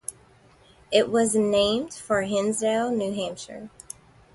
It was named for Hinsdale, New Hampshire.